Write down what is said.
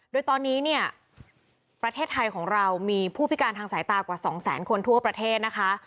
โดยตอนนี้เนี่ยประเทศไทยของเรามีผู้พิการทางสายตากว่า๒แสนคนทั่วประเทศนะคะ